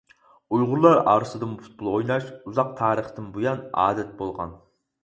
ئۇيغۇرلار ئارىسىدىمۇ پۇتبول ئويناش ئۇزاق تارىختىن بۇيان ئادەت بولغان.